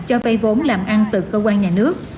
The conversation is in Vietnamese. cho vay vốn làm ăn từ cơ quan nhà nước